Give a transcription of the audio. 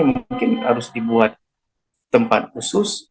mungkin harus dibuat tempat khusus